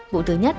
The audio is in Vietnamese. vụ thứ nhất